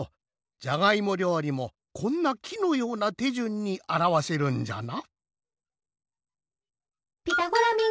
じゃがいもりょうりもこんなきのようなてじゅんにあらわせるんじゃな。